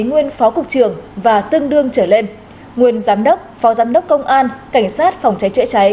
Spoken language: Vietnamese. giám đốc phó giám đốc công an cảnh sát phòng cháy chữa cháy